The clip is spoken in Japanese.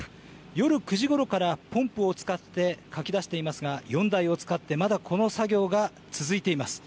夜９時ごろからポンプを使ってかき出していますが、４台を使ってまだ、この作業が続いています。